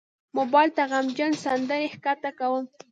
موبایل ته غمجن سندرې ښکته کوم.